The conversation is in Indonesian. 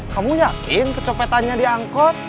kamu yakin kecopetannya di angkot